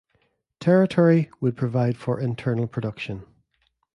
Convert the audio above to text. Territory would provide for internal production.